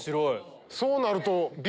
そうなると。